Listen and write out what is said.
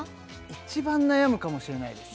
一番悩むかもしれないです